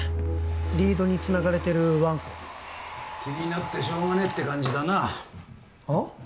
リードにつながれてるワンコ気になってしょうがねえって感じだなはっ？